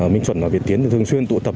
minh chuẩn và việt tiến thường xuyên tụ tập